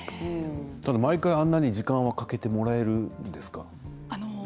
毎回あんなに時間はかけてもらえるんですか？